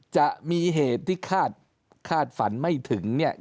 จะมีเหตุที่คาดฝันไม่ถึงเนี่ย